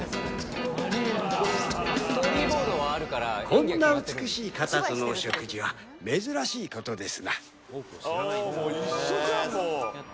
「こんな美しい方とのお食事は珍しいことですな」